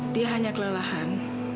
dia hanya kelelahan